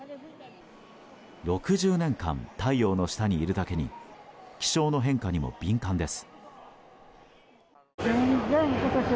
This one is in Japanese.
６０年間、太陽の下にいるだけに気象の変化にも敏感です。